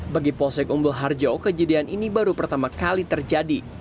bagi polsek umbul harjo kejadian ini baru pertama kali terjadi